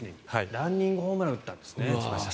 ランニングホームランを打ったんですね。